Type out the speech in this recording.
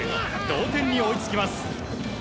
同点に追いつきます。